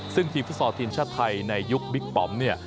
ซึ่งทีมฟุตย์ศอดทินชะไทยในยุคบิ๊กปอมเนี่ย